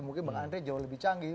mungkin bang andre jauh lebih canggih